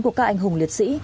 của các anh hùng liệt sĩ